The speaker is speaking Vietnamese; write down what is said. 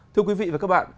thưa quý vị và các bạn